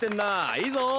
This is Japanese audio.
いいぞ。